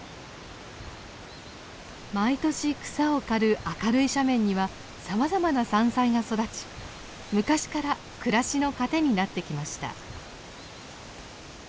毎年草を刈る明るい斜面にはさまざまな山菜が育ち昔から暮らしの糧になってきました。